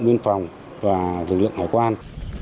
nguyên phòng và lực lượng hải quan